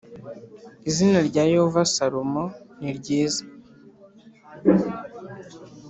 Izina rya yehova salomo niryiza